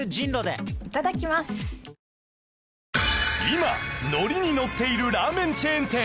今ノリにのっているラーメンチェーン店